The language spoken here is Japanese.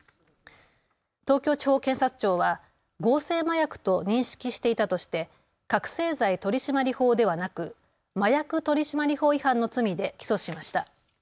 東京地方検察庁は合成麻薬と認識していたとして覚醒剤取締法ではなく麻薬取締法違反の罪で起訴しました。